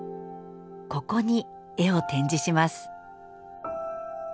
ここに絵を展示します。